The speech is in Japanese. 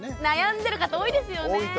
悩んでる方多いですよね。